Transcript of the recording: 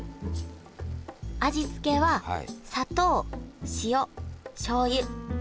味付けは砂糖塩しょうゆ。